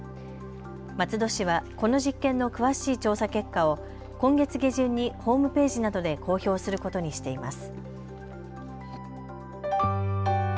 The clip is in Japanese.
松戸市はこの実験の詳しい調査結果を今月下旬にホームページなどで公表することにしています。